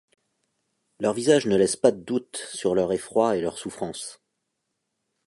Leurs visages ne laissent pas de doute sur leur effroi et leurs souffrances.